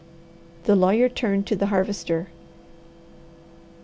The lawyer turned to the Harvester.